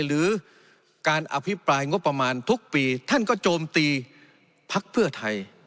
หรือการอภิปรายงบประมาณทุกปีท่านก็โจมตีพักเพื่อไทย